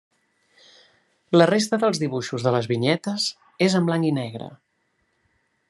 La resta dels dibuixos de les vinyetes és en blanc i negre.